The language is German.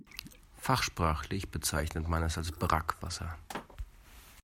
Fachsprachlich bezeichnet man es als Brackwasser.